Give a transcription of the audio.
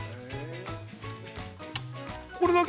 これだけ？